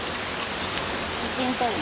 写真撮るの。